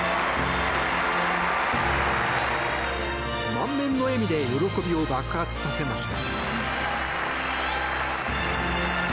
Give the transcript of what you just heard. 満面の笑みで喜びを爆発させました。